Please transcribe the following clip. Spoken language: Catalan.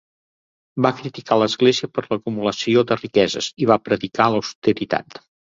Va criticar a l'Església per l'acumulació de riqueses i va predicar l'austeritat.